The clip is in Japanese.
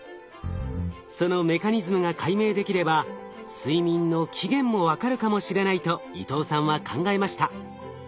そのメカニズムが解明できれば睡眠の起源も分かるかもしれないと伊藤さんは考えました。